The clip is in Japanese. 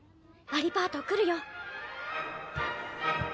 アリパート来るよ。